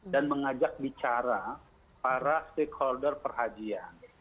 dan mengajak bicara para stakeholder perhajian